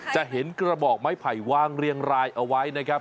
จะเห็นกระบอกไม้ไผ่วางเรียงรายเอาไว้นะครับ